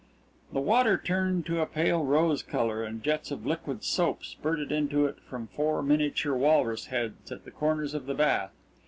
The water turned to a pale rose colour and jets of liquid soap spurted into it from four miniature walrus heads at the corners of the bath.